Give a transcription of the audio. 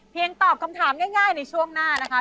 ตอบคำถามง่ายในช่วงหน้านะคะ